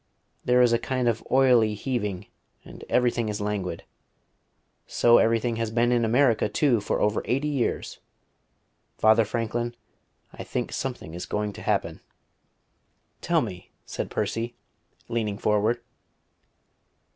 There is a kind of oily heaving; and everything is languid. So everything has been in America, too, for over eighty years.... Father Franklin, I think something is going to happen." "Tell me," said Percy, leaning forward.